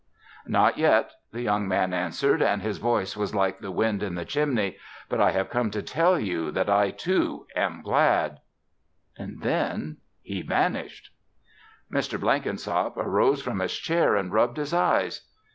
"Not yet," the young man answered, and his voice was like the wind in the chimney. "But I have come to tell you that I, too, am glad." Then he vanished. Mr. Blenkinsop arose from his chair and rubbed his eyes.